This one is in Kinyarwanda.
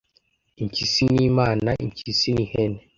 Impyisi n'Imana impyisi n,ihene